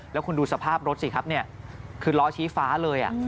แล้วคุณดูสภาพรถสิครับเนี่ยคือล้อชี้ฟ้าเลย